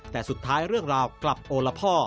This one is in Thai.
แต่สุดท้ายเรื่องราวกลับโอละพ่อ